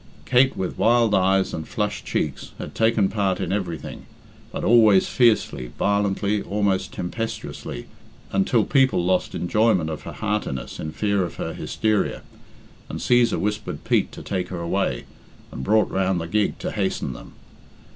Kate, with wild eyes and flushed cheeks, had taken part in everything, but always fiercely, violently, almost tempestuously, until people lost enjoyment of her heartiness in fear of her hysteria, and Cæsar whispered Pete to take her away, and brought round the gig to hasten them.